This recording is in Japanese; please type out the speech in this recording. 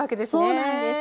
そうなんです。